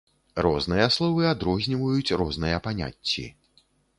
Розныя словы адрозніваюць розныя паняцці.